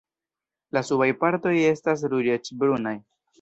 La subaj partoj estas ruĝecbrunaj.